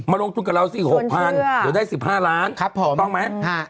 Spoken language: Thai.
มาลงทุนกับเราสิ๖๐๐๐ฟันเดี๋ยวได้๑๕ล้านครับผมต้องไหมฮะ